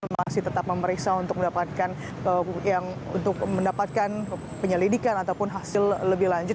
masih tetap memeriksa untuk mendapatkan penyelidikan ataupun hasil lebih lanjut